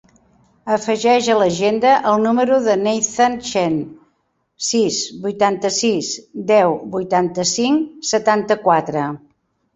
Afegeix a l'agenda el número del Neizan Chen: sis, vuitanta-sis, deu, vuitanta-cinc, setanta-quatre.